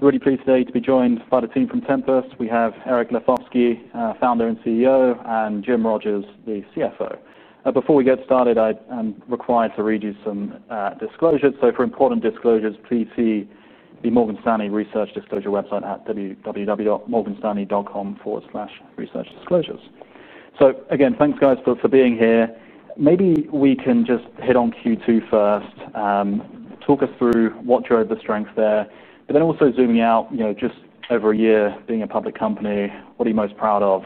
Ready pre-sale to be joined by the team from Tempus. We have Eric Lefkofsky, Founder and CEO, and Jim Rogers, the CFO. Before we get started, I'm required to read you some disclosures. For important disclosures, please see the Morgan Stanley Research Disclosure website at www.morganstanley.com/researchdisclosures. Thanks guys for being here. Maybe we can just hit on Q2 first. Talk us through what drove the strength there, but then also zooming out, you know, just over a year being a public company, what are you most proud of?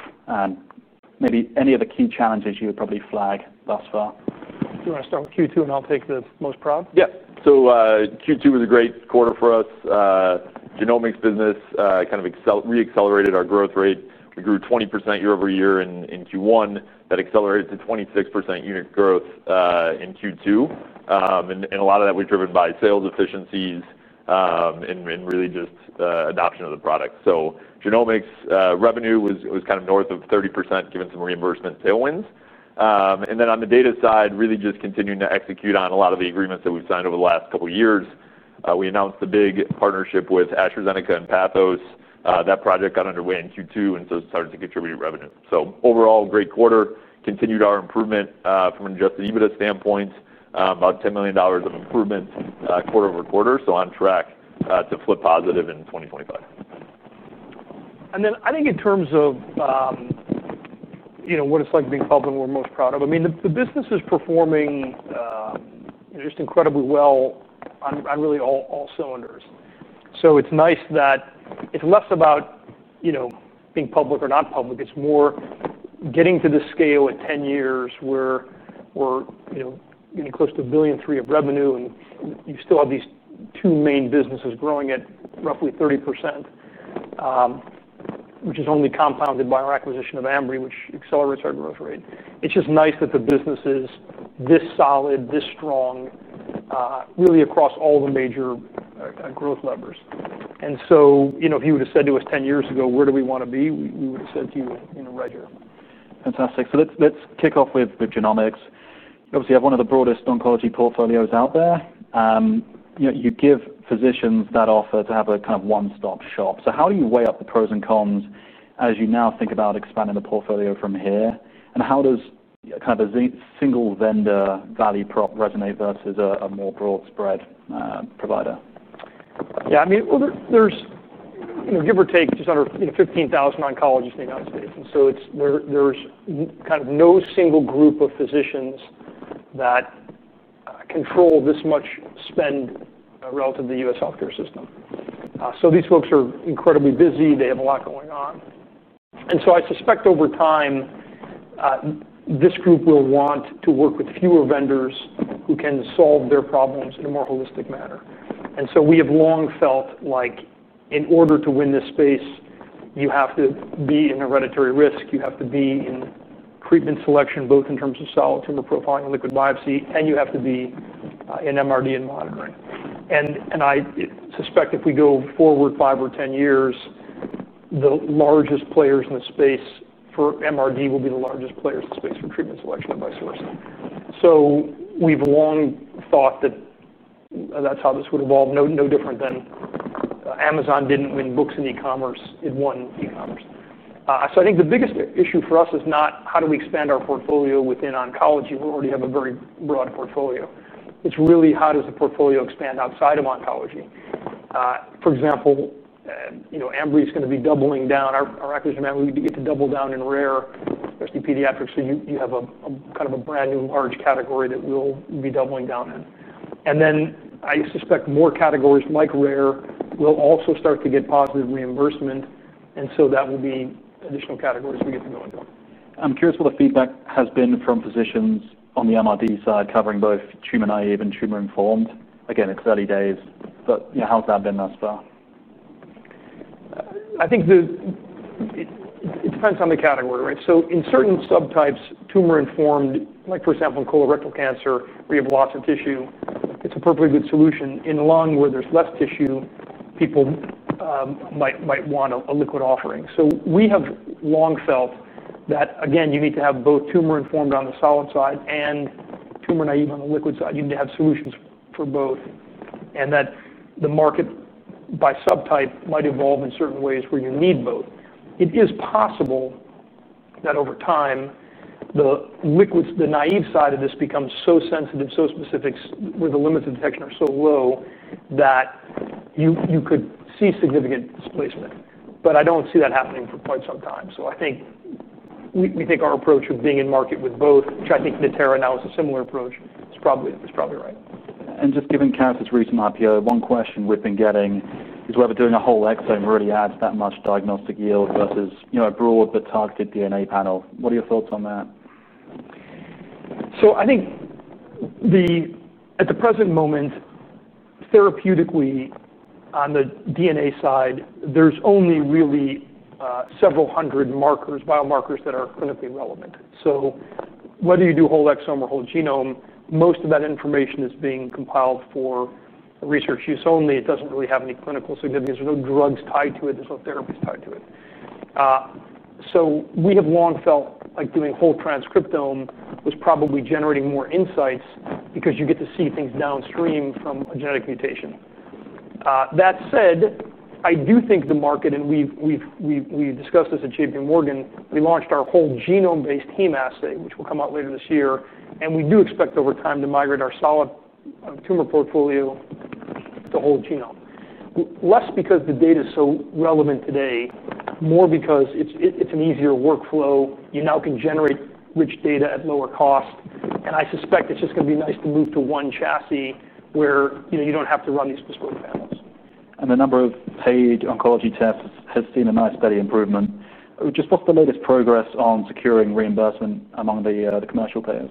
Maybe any of the key challenges you would probably flag thus far? Do you want to start with Q2 and I'll pick the most proud? Yeah, Q2 was a great quarter for us. The genomics business kind of re-accelerated our growth rate. We grew 20% year over year in Q1. That accelerated to 26% unit growth in Q2, and a lot of that was driven by sales efficiencies and really just adoption of the product. Genomics revenue was kind of north of 30% given some reimbursement tailwinds. On the data side, really just continuing to execute on a lot of the agreements that we've signed over the last couple of years. We announced the big partnership with AstraZeneca and Pathos. That project got underway in Q2, and it started to contribute revenue. Overall, great quarter. Continued our improvement from an adjusted EBITDA standpoint, about $10 million of improvement quarter -over -quarter. On track to flip positive in 2025. I think in terms of what it's like being public and what we're most proud of, the business is performing just incredibly well on really all cylinders. It's nice that it's less about being public or not public. It's more getting to the scale at 10 years where we're getting close to $1.3 billion of revenue and you still have these two main businesses growing at roughly 30%, which is only compounded by our acquisition of Ambry, which accelerates our growth rate. It's just nice that the business is this solid, this strong, really across all the major growth levels. If you would have said to us 10 years ago, where do we want to be, we would have said to you, right here. Fantastic. Let's kick off with genomics. Obviously, you have one of the broadest oncology portfolios out there. You give physicians that offer to have a kind of one-stop shop. How do you weigh up the pros and cons as you now think about expanding the portfolio from here? How does kind of a single vendor value prop resonate versus a more broad spread provider? Yeah, I mean, there's just under 15,000 oncologists in the United States. There's kind of no single group of physicians that control this much spend relative to the U.S. healthcare system. These folks are incredibly busy. They have a lot going on. I suspect over time, this group will want to work with fewer vendors who can solve their problems in a more holistic manner. We have long felt like in order to win this space, you have to be in hereditary risk. You have to be in treatment selection, both in terms of solid tumor profiling and liquid biopsy, and you have to be in MRD and monitoring. I suspect if we go forward five or 10 years, the largest players in the space for MRD will be the largest players in the space for treatment selection and vice versa. We've long thought that that's how this would evolve. No different than Amazon didn't win books in e-commerce. It won e-commerce. I think the biggest issue for us is not how do we expand our portfolio within oncology. We already have a very broad portfolio. It's really how does the portfolio expand outside of oncology. For example, Ambry is going to be doubling down. Our acquisition of Ambry will get to double down in rare as the pediatrics. You have a kind of a brand new large category that we'll be doubling down in. I suspect more categories like rare will also start to get positive reimbursement. That will be additional categories we get to go into. I'm curious what the feedback has been from physicians on the MRD side, covering both tumor naive and tumor informed. It's early days, but you know, how's that been thus far? I think it depends on the category, right? In certain subtypes, tumor informed, like for example, in colorectal cancer, where you have lots of tissue, it's a perfectly good solution. In the lung, where there's less tissue, people might want a liquid offering. We have long felt that you need to have both tumor informed on the solid side and tumor naive on the liquid side. You need to have solutions for both, and the market by subtype might evolve in certain ways where you need both. It is possible that over time, the naive side of this becomes so sensitive, so specific, where the limits of detection are so low that you could see significant displacement. I don't see that happening for quite some time. I think we think our approach of being in market with both, which I think Viterra now has a similar approach, is probably right. Given Caris's recent IPO, one question we've been getting is whether doing a whole exome really adds that much diagnostic yield versus, you know, a broad but targeted DNA panel. What are your thoughts on that? I think at the present moment, therapeutically, on the DNA side, there's only really several hundred biomarkers that are clinically relevant. Whether you do whole exome or whole genome, most of that information is being compiled for research use only. It doesn't really have any clinical significance. There's no drugs tied to it. There's no therapies tied to it. We have long felt like doing whole transcriptome was probably generating more insights because you get to see things downstream from a genetic mutation. That said, I do think the market, and we've discussed this at JPMorgan, we launched our whole genome-based heme assay, which will come out later this year. We do expect over time to migrate our solid tumor portfolio to whole genome, less because the data is so relevant today, more because it's an easier workflow. You now can generate rich data at lower cost. I suspect it's just going to be nice to move to one chassis where you don't have to run these disposable panels. The number of paid oncology tests has seen a nice steady improvement. What's the latest progress on securing reimbursement among the commercial payers?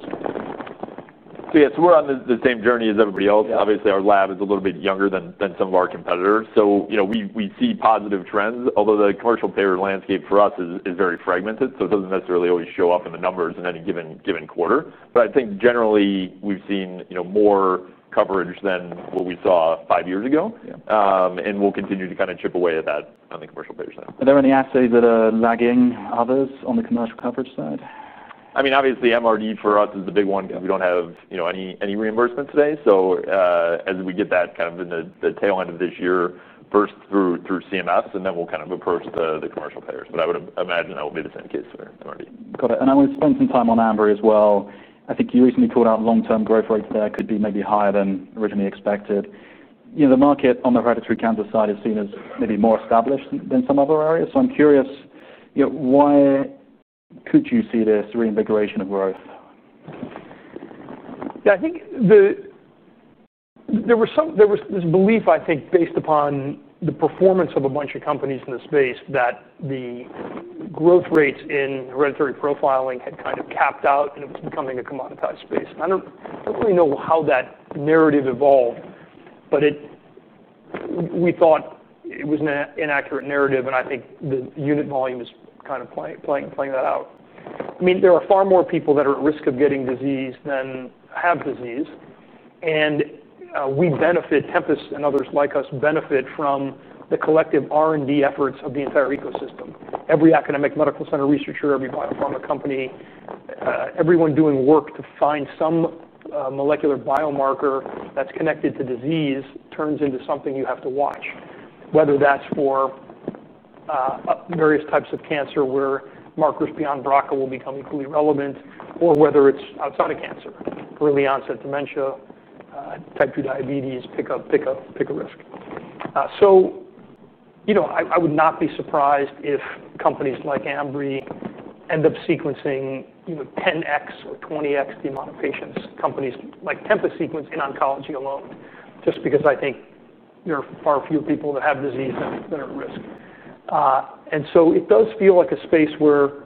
We're on the same journey as everybody else. Obviously, our lab is a little bit younger than some of our competitors. We see positive trends, although the commercial payer landscape for us is very fragmented. It doesn't necessarily always show up in the numbers in any given quarter. I think generally we've seen more coverage than what we saw five years ago, and we'll continue to kind of chip away at that on the commercial payer side. Are there any assays that are lagging others on the commercial coverage side? Obviously, MRD for us is the big one because we don't have any reimbursement today. As we get that kind of in the tail end of this year, first through CMS, we'll kind of approach the commercial payers. I would imagine that will be the same case for MRD. Got it. I want to spend some time on Ambry as well. I think you recently called out long-term growth rates there could be maybe higher than originally expected. The market on the hereditary cancer side has seen as maybe more established than some other areas. I'm curious, why could you see this reinvigoration of growth? Yeah, I think there was this belief, I think, based upon the performance of a bunch of companies in the space that the growth rates in hereditary profiling had kind of capped out and it was becoming a commoditized space. I don't really know how that narrative evolved, but we thought it was an inaccurate narrative. I think the unit volume is kind of playing that out. I mean, there are far more people that are at risk of getting disease than have disease. We benefit, Tempus and others like us benefit from the collective R&D efforts of the entire ecosystem. Every academic medical center researcher, every biopharma company, everyone doing work to find some molecular biomarker that's connected to disease turns into something you have to watch. Whether that's for various types of cancer where markers beyond BRCA will become equally relevant, or whether it's outside of cancer, early onset dementia, type 2 diabetes, pick a risk. I would not be surprised if companies like Ambry end up sequencing 10x or 20x the amount of patients companies like Tempus sequence in oncology alone, just because I think there are far fewer people that have disease than are at risk. It does feel like a space where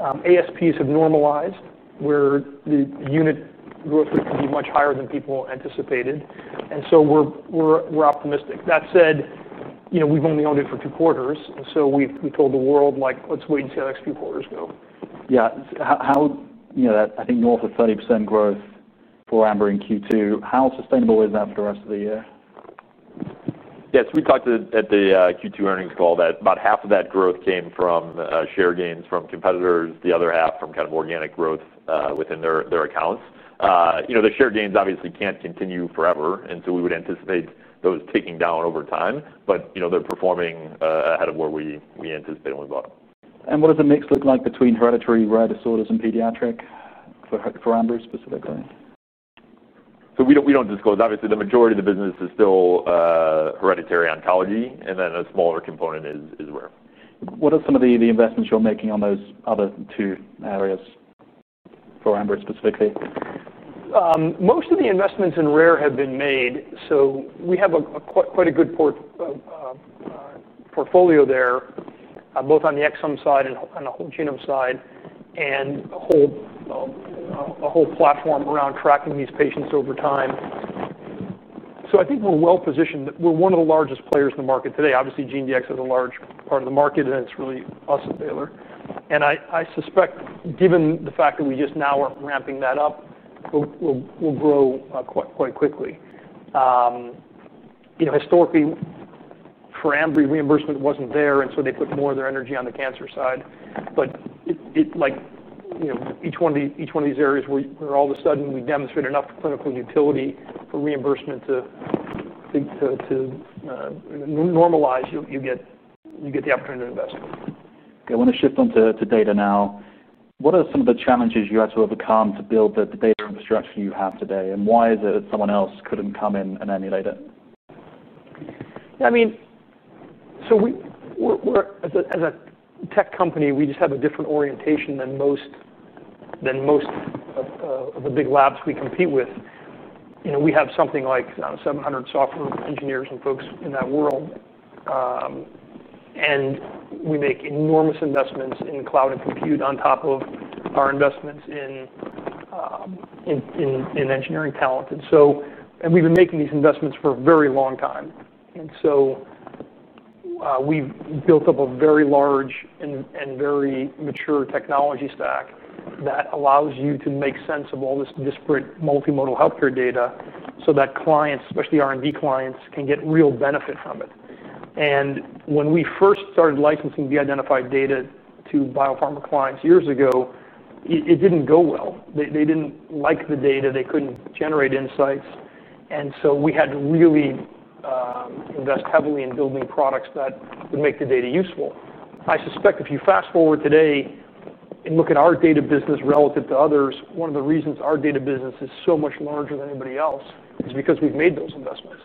ASPs have normalized, where the unit growth would be much higher than people anticipated. We're optimistic. That said, we've only owned it for two quarters. We told the world, like, let's wait and see how the next few quarters go. Yeah, that I think north of 30% growth for Ambry in Q2, how sustainable is that for the rest of the year? Yeah, we talked at the Q2 earnings call that about half of that growth came from share gains from competitors, the other half from kind of organic growth within their accounts. The share gains obviously can't continue forever, so we would anticipate those ticking down over time. They're performing ahead of where we anticipated when we bought them. What does the mix look like between hereditary, rare disorders, and pediatric for Ambry specifically? We don't disclose. Obviously, the majority of the business is still hereditary oncology, and then a smaller component is rare. What are some of the investments you're making on those other two areas for Ambry specifically? Most of the investments in rare have been made. We have quite a good portfolio there, both on the exome side and the whole genome side, and a whole platform around tracking these patients over time. I think we're well positioned. We're one of the largest players in the market today. Obviously, GeneDx is a large part of the market, and it's really us at Baylor. I suspect, given the fact that we just now are ramping that up, we'll grow quite quickly. Historically, for Ambry, reimbursement wasn't there, and they put more of their energy on the cancer side. Each one of these areas where all of a sudden we demonstrate enough clinical utility for reimbursement to normalize, you get the opportunity to invest. Okay, I want to shift onto data now. What are some of the challenges you had to overcome to build the data infrastructure you have today? Why is it that someone else couldn't come in and emulate it? Yeah, I mean, as a tech company, we just have a different orientation than most of the big labs we compete with. We have something like 700 software engineers and folks in that world. We make enormous investments in cloud and compute on top of our investments in engineering talent. We've been making these investments for a very long time. We've built up a very large and very mature technology stack that allows you to make sense of all this disparate multimodal healthcare data so that clients, especially R&D clients, can get real benefit from it. When we first started licensing de-identified data to biopharma clients years ago, it didn't go well. They didn't like the data. They couldn't generate insights. We had to really invest heavily in building products that would make the data useful. I suspect if you fast forward today and look at our data business relative to others, one of the reasons our data business is so much larger than anybody else is because we've made those investments.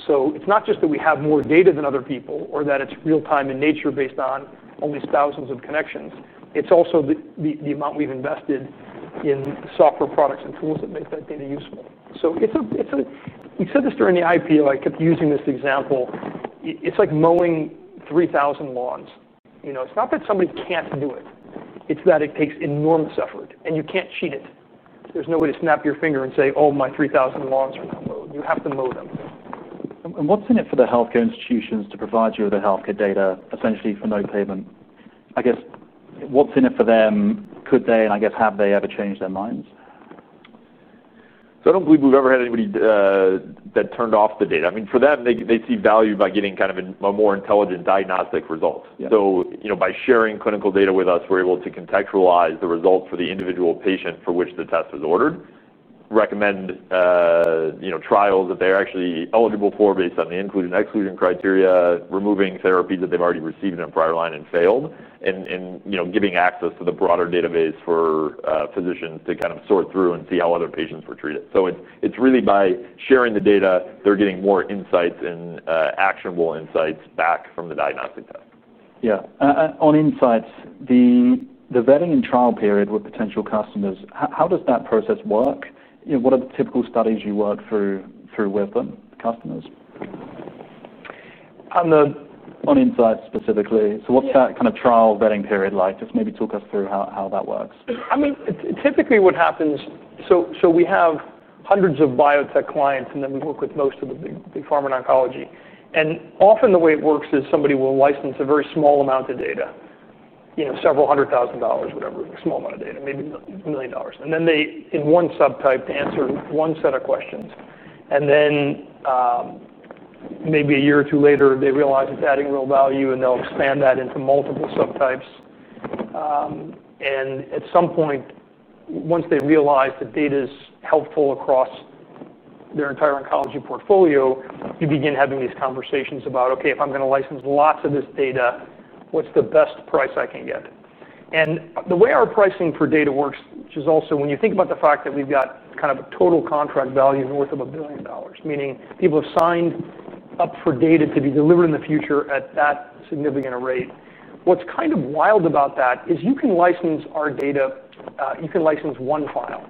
It's not just that we have more data than other people or that it's real-time in nature based on only thousands of connections. It's also the amount we've invested in software products and tools that make that data useful. You said this during the IPO. I kept using this example. It's like mowing 3,000 lawns. It's not that somebody can't do it. It takes enormous effort, and you can't cheat it. There's no way to snap your finger and say, "Oh, my 3,000 lawns are mowed." You have to mow them. What is in it for the healthcare institutions to provide you with the healthcare data, essentially for no payment? I guess, what is in it for them? Could they, and I guess, have they ever changed their minds? I don't believe we've ever had anybody that turned off the data. I mean, for them, they see value by getting kind of a more intelligent diagnostic result. By sharing clinical data with us, we're able to contextualize the results for the individual patient for which the test was ordered, recommend trials that they're actually eligible for based on the inclusion and exclusion criteria, removing therapies that they've already received in a prior line and failed, and giving access to the broader database for physicians to sort through and see how other patients were treated. It's really by sharing the data, they're getting more insights and actionable insights back from the diagnostic test. On insights, the vetting and trial period with potential customers, how does that process work? What are the typical studies you work through with them? On the insights specifically, what's that kind of trial vetting period like? Maybe talk us through how that works. I mean, typically what happens, we have hundreds of biotech clients and then we work with most of the big pharma and oncology. Often the way it works is somebody will license a very small amount of data, you know, several hundred thousand dollars, whatever, a small amount of data, maybe $1 million. They, in one subtype, answer one set of questions. Maybe a year or two later, they realize it's adding real value and they'll expand that into multiple subtypes. At some point, once they realize that data is helpful across their entire oncology portfolio, you begin having these conversations about, okay, if I'm going to license lots of this data, what's the best price I can get? The way our pricing for data works, which is also when you think about the fact that we've got kind of a total contract value north of $1 billion, meaning people have signed up for data to be delivered in the future at that significant rate. What's kind of wild about that is you can license our data, you can license one file.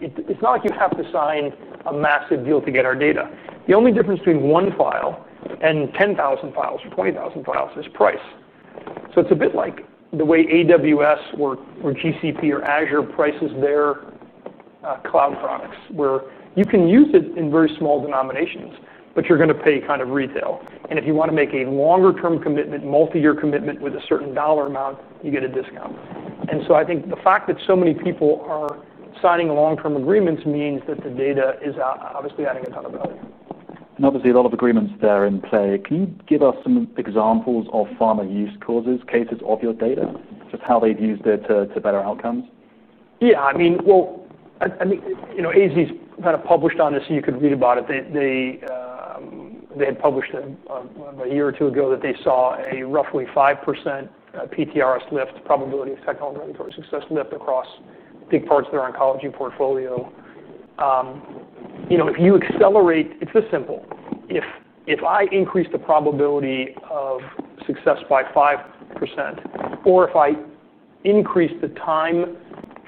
It's not like you have to sign a massive deal to get our data. The only difference between one file and 10,000 files or 20,000 files is price. It's a bit like the way AWS or GCP or Azure prices their cloud products, where you can use it in very small denominations, but you're going to pay kind of retail. If you want to make a longer-term commitment, multi-year commitment with a certain dollar amount, you get a discount. I think the fact that so many people are signing long-term agreements means that the data is obviously adding a ton of value. Obviously, a lot of agreements are in play. Can you give us some examples of pharma use cases of your data, sort of how they've used it to better outcomes? Yeah, I mean, AZ's kind of published on this, so you could read about it. They had published a year or two ago that they saw a roughly 5% PTRS lift, probability of technical and regulatory success lift, across big parts of their oncology portfolio. If you accelerate, it's this simple. If I increase the probability of success by 5%, or if I increase the time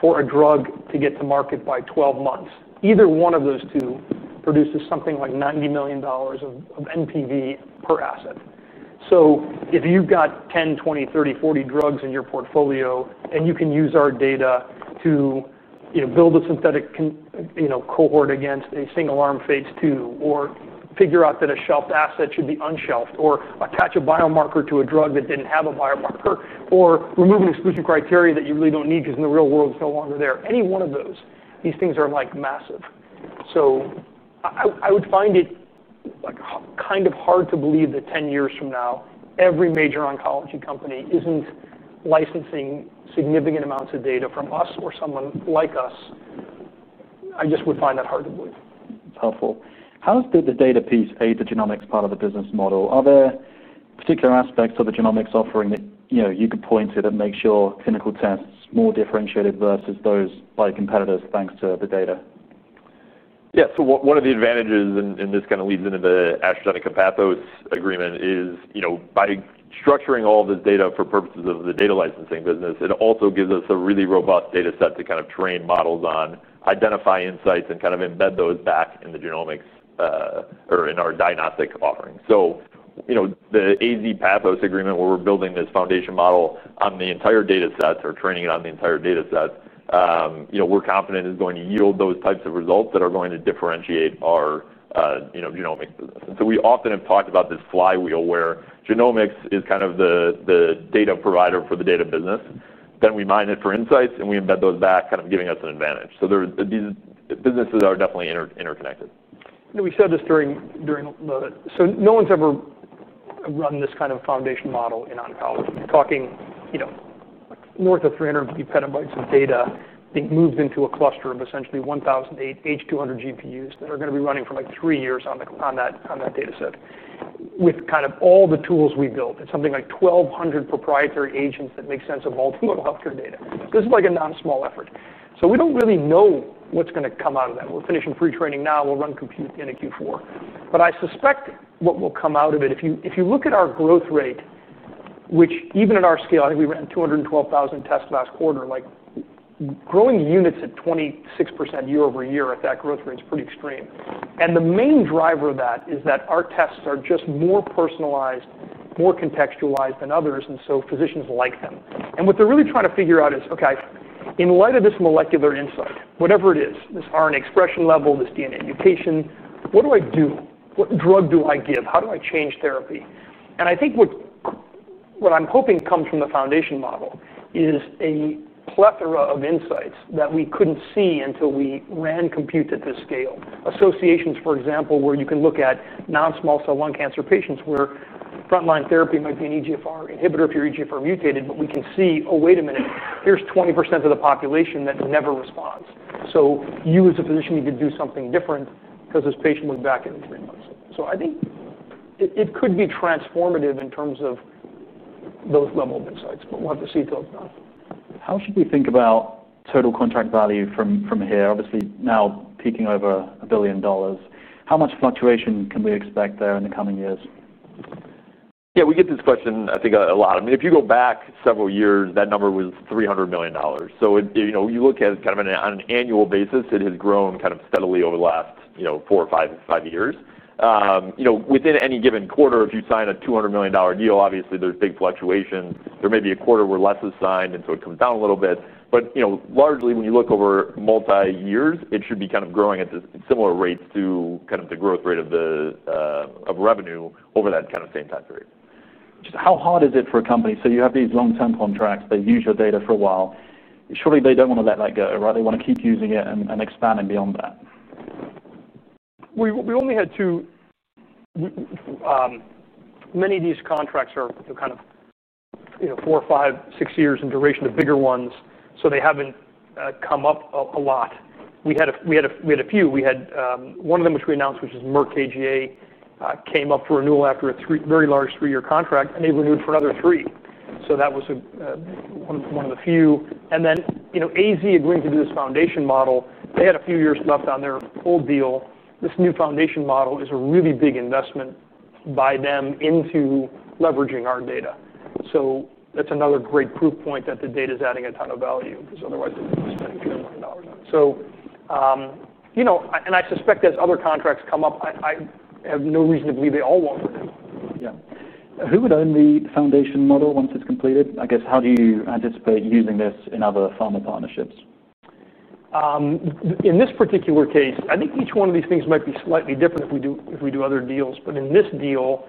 for a drug to get to market by 12 months, either one of those two produces something like $90 million of NPV per asset. If you've got 10, 20, 30, 40 drugs in your portfolio, and you can use our data to build a synthetic cohort against a single arm phase two, or figure out that a shelved asset should be unshelved, or attach a biomarker to a drug that didn't have a biomarker, or remove an exclusion criteria that you really don't need because in the real world, it's no longer there. Any one of those, these things are like massive. I would find it kind of hard to believe that 10 years from now, every major oncology company isn't licensing significant amounts of data from us or someone like us. I just would find that hard to believe. It's helpful. How does the data piece aid the genomics part of the business model? Are there particular aspects of the genomics offering that you could point to that make sure clinical tests are more differentiated versus those by competitors, thanks to the data? Yeah, one of the advantages, and this kind of leads into the AstraZeneca-Pathos agreement, is, you know, by structuring all of this data for purposes of the data licensing business, it also gives us a really robust data set to kind of train models on, identify insights, and embed those back in the genomics or in our diagnostic offering. The AZ-Pathos agreement, where we're building this foundation model on the entire data set, or training it on the entire data set, we're confident is going to yield those types of results that are going to differentiate our genomics. We often have talked about this flywheel where genomics is kind of the data provider for the data business. We mine it for insights, and we embed those back, kind of giving us an advantage. These businesses are definitely interconnected. We said this during the, no one's ever run this kind of foundation model in oncology. You're talking, you know, north of 350 PB of data being moved into a cluster of essentially 1,800 GPUs that are going to be running for like three years on that data set. With all the tools we built, it's something like 1,200 proprietary agents that make sense of multiple healthcare data. This is like a non-small effort. We don't really know what's going to come out of that. We're finishing pre-training now. We'll run compute the end of Q4. I suspect what will come out of it, if you look at our growth rate, which even at our scale, I think we ran 212,000 tests last quarter, like growing units at 26% year -over -year at that growth rate is pretty extreme. The main driver of that is that our tests are just more personalized, more contextualized than others. Physicians like them. What they're really trying to figure out is, okay, in light of this molecular insight, whatever it is, this RNA expression level, this DNA mutation, what do I do? What drug do I give? How do I change therapy? I think what I'm hoping comes from the foundation model is a plethora of insights that we couldn't see until we ran compute at this scale. Associations, for example, where you can look at non-small cell lung cancer patients where frontline therapy might be an EGFR inhibitor if you're EGFR mutated, but we can see, oh, wait a minute, here's 20% of the population that never responds. You as a physician need to do something different because this patient moved back in three months. I think it could be transformative in terms of those level of insights, but we'll have to see it till it's done. How should we think about total contract value from here? Obviously, now peaking over $1 billion, how much fluctuation can we expect there in the coming years? Yeah, we get this question, I think, a lot. If you go back several years, that number was $300 million. You look at kind of on an annual basis, it has grown kind of steadily over the last four or five years. Within any given quarter, if you sign a $200 million deal, obviously there's big fluctuation. There may be a quarter where less is signed, and it comes down a little bit. Largely, when you look over multi-years, it should be kind of growing at similar rates to the growth rate of the revenue over that same time period. How hard is it for a company? You have these long-term contracts, they've used your data for a while. Surely they don't want to let that go, right? They want to keep using it and expanding beyond that. We only had two. Many of these contracts are with a kind of, you know, four, five, six years in duration, the bigger ones. They haven't come up a lot. We had a few. We had one of them, which we announced, which is Merck KGaA, came up for renewal after a very large three-year contract, and they renewed for another three. That was one of the few. AZ agreed to do this foundation model. They had a few years left on their old deal. This new foundation model is a really big investment by them into leveraging our data. That is another great proof point that the data is adding a ton of value, because otherwise it was [$300 million]. I suspect as other contracts come up, I have no reason to believe they all won't do that. Yeah. Who would own the foundation model once it's completed? I guess, how do you anticipate using this in other pharma partnerships? In this particular case, I think each one of these things might be slightly different if we do other deals. In this deal,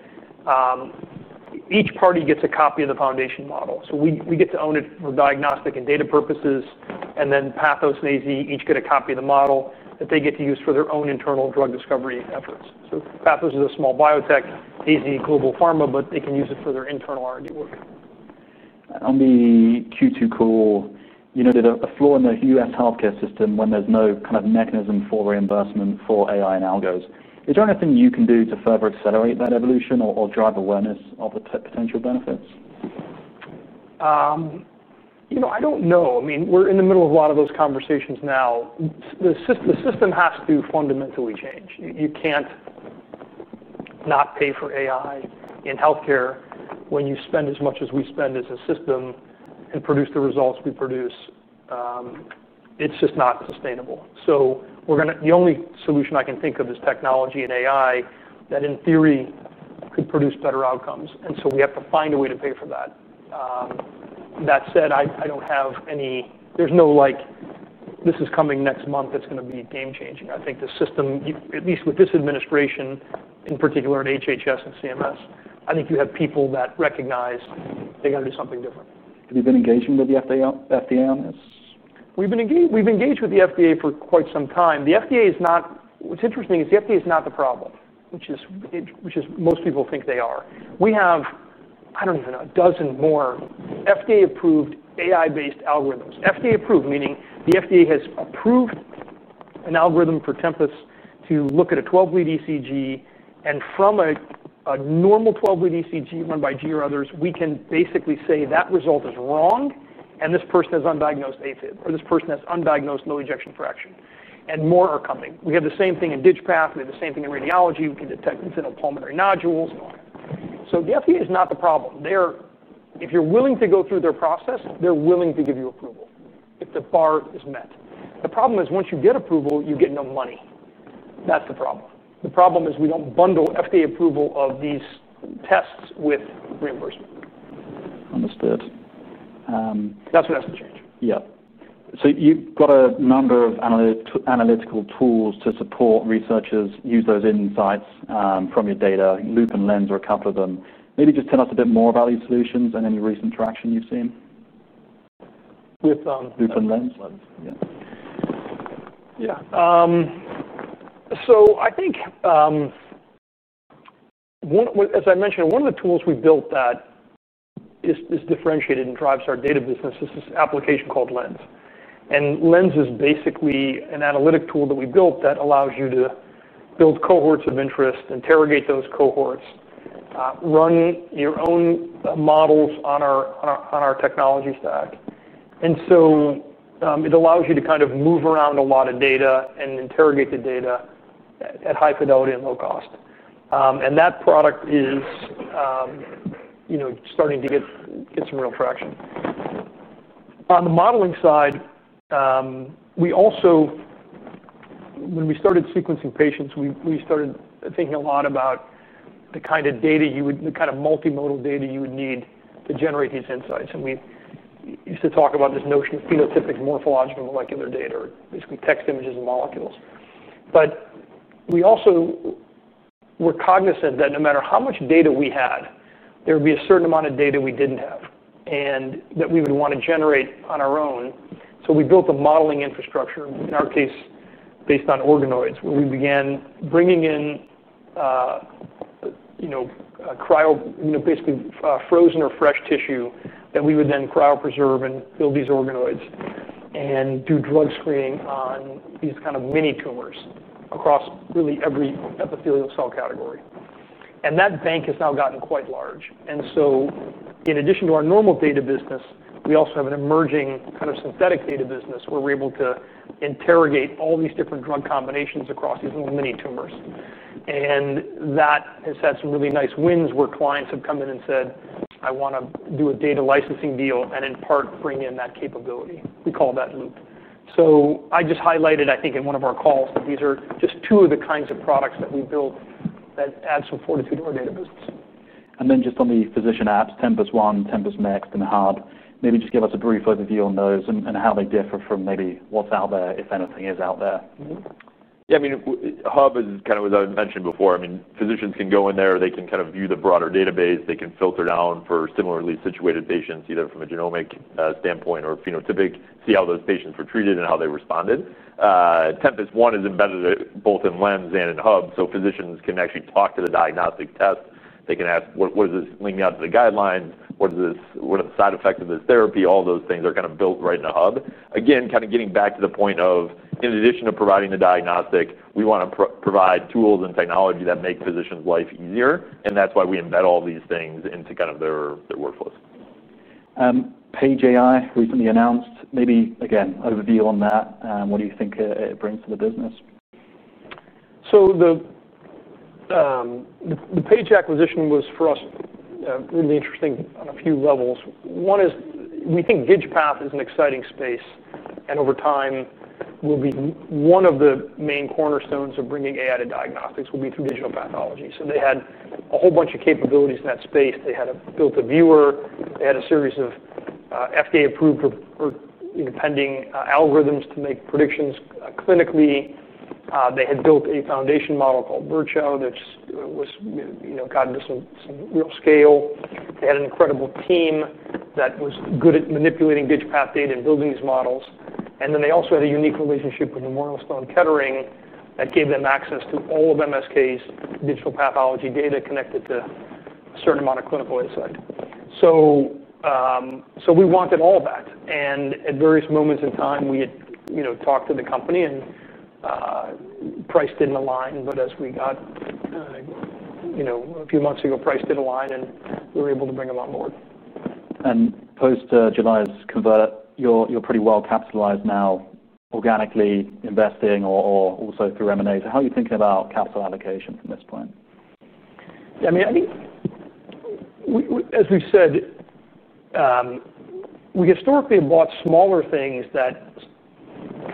each party gets a copy of the foundation model. We get to own it for diagnostic and data purposes. Pathos and AZ each get a copy of the model that they get to use for their own internal drug discovery efforts. Pathos is a small biotech, AZ is a global pharma, but they can use it for their internal R&D work. On the Q2 call, you noted a flaw in the U.S. healthcare system when there's no kind of mechanism for reimbursement for AI and algos. Is there anything you can do to further accelerate that evolution or drive awareness of the potential benefits? I don't know. I mean, we're in the middle of a lot of those conversations now. The system has to fundamentally change. You can't not pay for AI in healthcare when you spend as much as we spend as a system and produce the results we produce. It's just not sustainable. The only solution I can think of is technology and AI that in theory could produce better outcomes. We have to find a way to pay for that. That said, I don't have any, there's no like, this is coming next month, it's going to be game changing. I think the system, at least with this administration in particular at HHS and CMS, I think you have people that recognize they got to do something different. Have you been engaging with the FDA on this? We've been engaged, we've engaged with the FDA for quite some time. The FDA is not, what's interesting is the FDA is not the problem, which is, which is most people think they are. We have, I don't even know, a dozen more FDA-approved AI-based algorithms. FDA-approved, meaning the FDA has approved an algorithm for Tempus to look at a 12-lead ECG. From a normal 12-lead ECG run by GE or others, we can basically say that result is wrong and this person has undiagnosed AFib or this person has undiagnosed low ejection fraction. More are coming. We have the same thing in DigPath. We have the same thing in radiology. We can detect infantile pulmonary nodules. The FDA is not the problem. If you're willing to go through their process, they're willing to give you approval if the bar is met. The problem is once you get approval, you get no money. That's the problem. The problem is we don't bundle FDA approval of these tests with reimbursement. Understood. That's what has to change. You've got a number of analytical tools to support researchers, use those insights from your data. Loop and Lens are a couple of them. Maybe just tell us a bit more about these solutions and any recent traction you've seen. With Loop and Lens? Loop and Lens, yeah. Yeah. I think, as I mentioned, one of the tools we built that is differentiated and drives our data business is this application called Lens. Lens is basically an analytic tool that we built that allows you to build cohorts of interest, interrogate those cohorts, run your own models on our technology stack. It allows you to kind of move around a lot of data and interrogate the data at high fidelity and low cost. That product is starting to get some real traction. On the modeling side, we also, when we started sequencing patients, started thinking a lot about the kind of data you would, the kind of multimodal data you would need to generate these insights. We used to talk about this notion of phenotypic morphological molecular data, or basically text, images, and molecules. We also were cognizant that no matter how much data we had, there would be a certain amount of data we didn't have and that we would want to generate on our own. We built a modeling infrastructure, in our case, based on organoids, where we began bringing in basically frozen or fresh tissue that we would then cryopreserve and build these organoids and do drug screening on these kind of mini tumors across really every epithelial cell category. That bank has now gotten quite large. In addition to our normal data business, we also have an emerging kind of synthetic data business where we're able to interrogate all these different drug combinations across these little mini tumors. That has had some really nice wins where clients have come in and said, I want to do a data licensing deal and in part bring in that capability. We call that Loop. I just highlighted, I think, in one of our calls, these are just two of the kinds of products that we built that add some fortitude to our data business. On the physician apps, Tempus One, Tempus Next, and Hub, maybe just give us a brief overview on those and how they differ from maybe what's out there, if anything is out there. Yeah, I mean, Hub is kind of as I mentioned before. Physicians can go in there, they can kind of view the broader database, they can filter down for similarly situated patients, either from a genomic standpoint or phenotypic, see how those patients were treated and how they responded. Tempus One is embedded both in Lens and in Hub, so physicians can actually talk to the diagnostic test. They can ask, what does this link me out to the guidelines? What are the side effects of this therapy? All those things are kind of built right in Hub. Again, getting back to the point of, in addition to providing the diagnostic, we want to provide tools and technology that make physicians' life easier. That's why we embed all these things into their workflows. Paige AI recently announced, maybe again, overview on that. What do you think it brings to the business? The Paige acquisition was for us really interesting on a few levels. One is we think digital pathology is an exciting space, and over time, one of the main cornerstones of bringing AI to diagnostics will be through digital pathology. They had a whole bunch of capabilities in that space. They had built a viewer. They had a series of FDA-approved or independent algorithms to make predictions clinically. They had built a foundation model called Virtuo, which got into some real scale. They had an incredible team that was good at manipulating digital pathology data and building these models. They also had a unique relationship with Memorial Sloan Kettering that gave them access to all of MSK's digital pathology data connected to a certain amount of clinical insight. We wanted all that. At various moments in time, we had talked to the company and price didn't align. As we got a few months ago, price did align and we were able to bring them on board. Following July's convert, you're pretty well capitalized now, organically investing or also through M&A. How are you thinking about capital allocations at this point? Yeah, I mean, I think, as we said, we historically bought smaller things that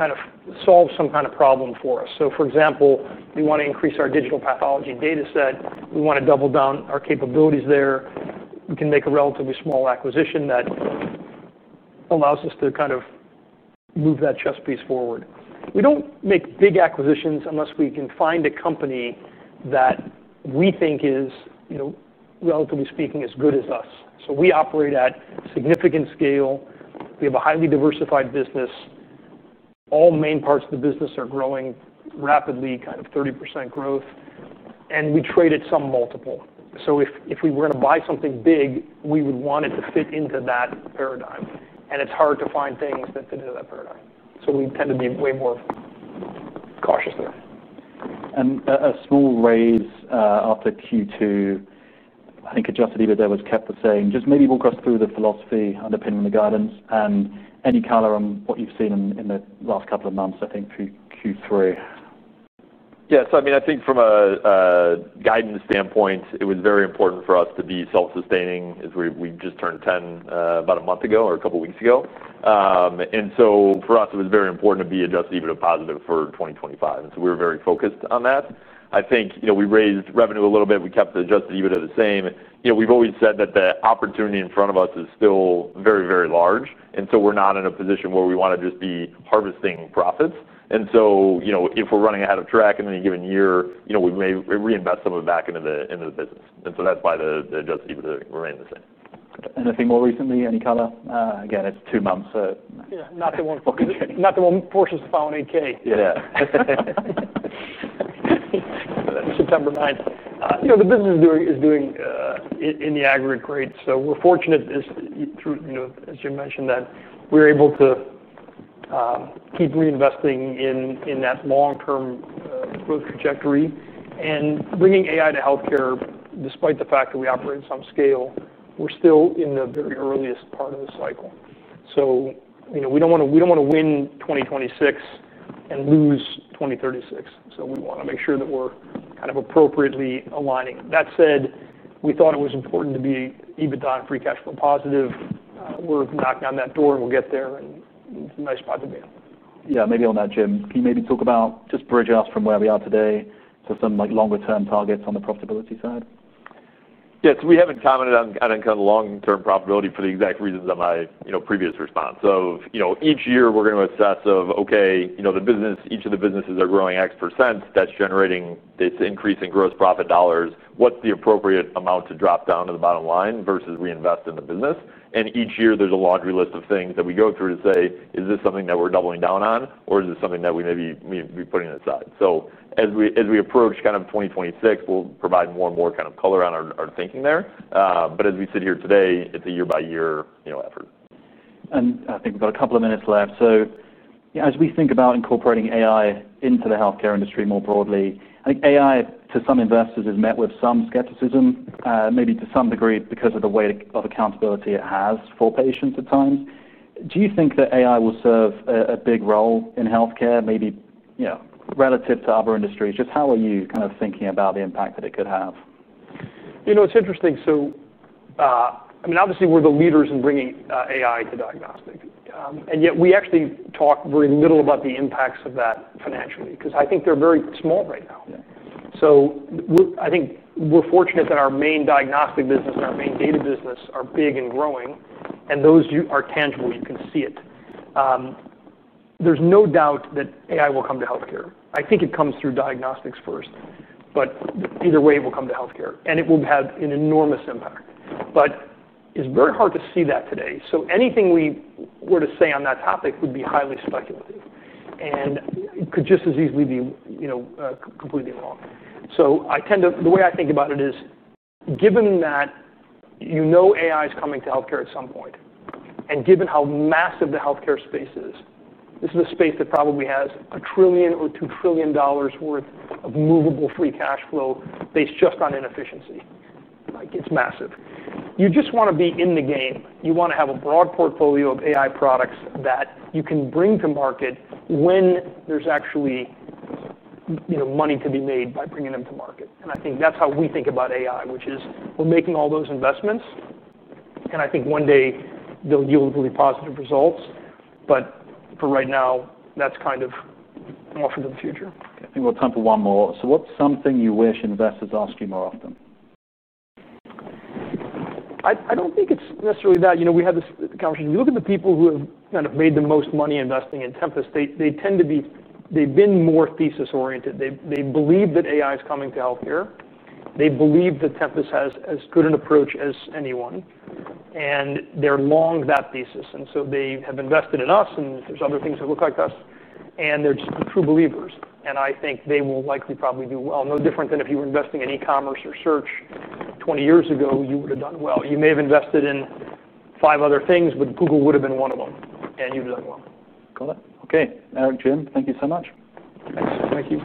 kind of solve some kind of problem for us. For example, we want to increase our digital pathology data set. We want to double down our capabilities there. We can make a relatively small acquisition that allows us to kind of move that chess piece forward. We don't make big acquisitions unless we can find a company that we think is, you know, relatively speaking, as good as us. We operate at significant scale. We have a highly diversified business. All main parts of the business are growing rapidly, kind of 30% growth. We trade at some multiple. If we were going to buy something big, we would want it to fit into that paradigm. It's hard to find things that fit into that paradigm. We tend to be way more cautious there. A small raise after Q2, I think, adjusted EBITDA was kept the same. Just maybe walk us through the philosophy underpinning the guidance and any color on what you've seen in the last couple of months, I think, through Q3. Yeah, so I mean, I think from a guidance standpoint, it was very important for us to be self-sustaining, as we just turned 10 about a month ago or a couple of weeks ago. For us, it was very important to be adjusted EBITDA positive for 2025, and we were very focused on that. I think, you know, we raised revenue a little bit. We kept the adjusted EBITDA the same. You know, we've always said that the opportunity in front of us is still very, very large. We're not in a position where we want to just be harvesting profits. If we're running ahead of track in any given year, we may reinvest some of it back into the business. That's why the adjusted EBITDA remained the same. Anything more recently, any color? Again, it's two months, so. Yeah, not the one purchased by Ambry. Yeah. September 9th. The business is doing in the aggregate great. We're fortunate, as you mentioned, that we're able to keep reinvesting in that long-term growth trajectory. Bringing AI to healthcare, despite the fact that we operate in some scale, we're still in the very earliest part of the cycle. We don't want to win 2026 and lose 2036. We want to make sure that we're kind of appropriately aligning. That said, we thought it was important to be EBITDA and free cash flow positive. We're knocking on that door and we'll get there in some nice positive data. Yeah, maybe on that, Jim, can you talk about just bridge us from where we are today to some longer-term targets on the profitability side? Yeah, we haven't commented on kind of long-term profitability for the exact reasons on my previous response. Each year we're going to assess, okay, the business, each of the businesses are growing x percent. That's generating this increase in gross profit dollars. What's the appropriate amount to drop down to the bottom line versus reinvest in the business? Each year there's a laundry list of things that we go through to say, is this something that we're doubling down on, or is this something that we maybe need to be putting aside? As we approach kind of 2026, we'll provide more and more color on our thinking there. As we sit here today, it's a year-by-year effort. I think we've got a couple of minutes left. As we think about incorporating AI into the healthcare industry more broadly, I think AI to some investors is met with some skepticism, maybe to some degree because of the way of accountability it has for patients at times. Do you think that AI will serve a big role in healthcare, maybe, you know, relative to other industries? Just how are you kind of thinking about the impact that it could have? It's interesting. Obviously we're the leaders in bringing AI to diagnostics, yet we actually talk very little about the impacts of that financially, because I think they're very small right now. I think we're fortunate that our main diagnostic business and our main data business are big and growing, and those are tangible. You can see it. There's no doubt that AI will come to healthcare. I think it comes through diagnostics first, but either way, it will come to healthcare, and it will have an enormous impact. It's very hard to see that today. Anything we were to say on that topic would be highly speculative, and it could just as easily be completely wrong. I tend to, the way I think about it is, given that AI is coming to healthcare at some point, and given how massive the healthcare space is, this is a space that probably has $1 trillion or $2 trillion worth of movable free cash flow based just on inefficiency. It's massive. You just want to be in the game. You want to have a broad portfolio of AI products that you can bring to market when there's actually money to be made by bringing them to market. I think that's how we think about AI, which is we're making all those investments, and I think one day they'll yield really positive results. For right now, that's kind of off into the future. I think we have time for one more. What's something you wish investors asked you more often? I don't think it's necessarily that. We had this conversation. If you look at the people who have kind of made the most money investing in Tempus, they tend to be more thesis-oriented. They believe that AI is coming to healthcare. They believe that Tempus AI has as good an approach as anyone, and they're long that thesis. They have invested in us, and there are other things that look like us. They're just true believers. I think they will likely probably do well. No different than if you were investing in e-commerce or search 20 years ago, you would have done well. You may have invested in five other things, but Google would have been one of them, and you'd have done well. Got it. Okay. Eric, Jim, thank you so much. Thank you.